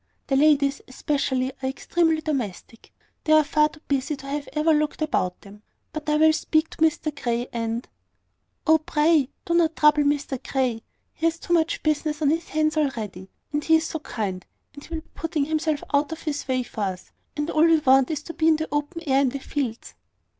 The ladies, especially, are extremely domestic: they are far too busy to have ever looked about them. But I will speak to Mr Grey, and " "Oh, pray, do not trouble Mr Grey! He has too much business on his hands already; and he is so kind, he will be putting himself out of his way for us; and all we want is to be in the open air in the fields."